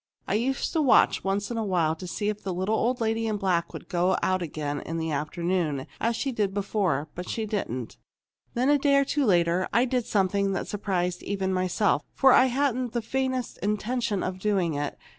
I used to watch once in a while to see if the little lady in black would go out again in the afternoon, as she did before, but she didn't. Then, a day or two later, I did something that surprised even myself, for I hadn't the faintest intention of doing it.